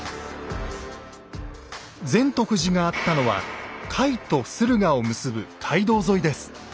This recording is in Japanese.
善得寺があったのは甲斐と駿河を結ぶ街道沿いです。